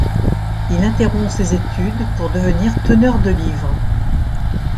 Il interrompt ses études pour devenir teneur de livres.